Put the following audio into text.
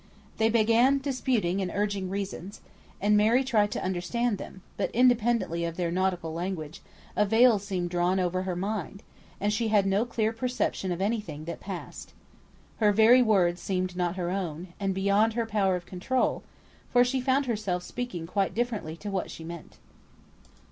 They began disputing, and urging reasons; and Mary tried to understand them; but independently of their nautical language, a veil seemed drawn over her mind, and she had no clear perception of any thing that passed. Her very words seemed not her own, and beyond her power of control, for she found herself speaking quite differently to what she meant.